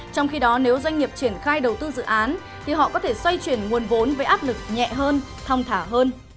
trong khi đó nếu doanh nghiệp triển khai đầu tư dự án thì họ có thể xoay chuyển nguồn vốn với áp lực nhẹ hơn thong thả hơn